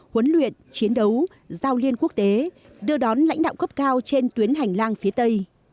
huấn luyện chiến đấu giao liên quốc tế đưa đón lãnh đạo cấp cao trên tuyến hành lang phía tây